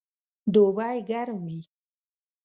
دوبئ ګرم وي